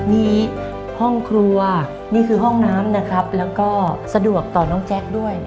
มีห้องครัวนี่คือห้องน้ำนะครับแล้วก็สะดวกต่อน้องแจ๊คด้วย